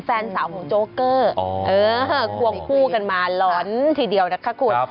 แฟนสาวโจเกอร์เอ้อควังผู้ขึ้นมาร้อนทีเดียวนะคะคุณ